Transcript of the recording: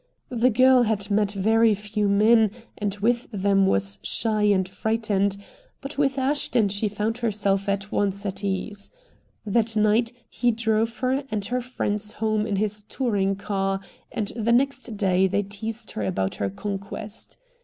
The girl had met very few men and with them was shy and frightened, but with Ashton she found herself at once at ease. That night he drove her and her friends home in his touring car and the next day they teased her about her conquest.